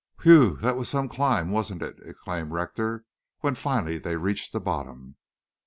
"Whew! That was some climb, wasn't it?" exclaimed Rector when finally they reached the bottom.